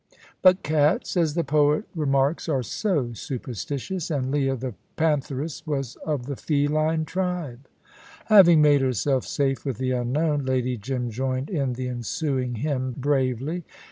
But cats, as the poet remarks, are so superstitious. And Leah the pantheress was of the feline tribe. Having made herself safe with the Unknown, Lady Jim joined in the ensuing hymn bravely.